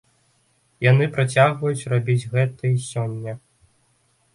Яны працягваюць рабіць гэта і сёння.